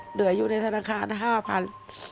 เหลืออยู่ในธนาคาร๕๐๐บาท